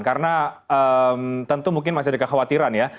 karena tentu mungkin masih ada kekhawatiran ya